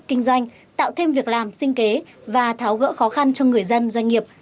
kinh doanh tạo thêm việc làm sinh kế và tháo gỡ khó khăn cho người dân doanh nghiệp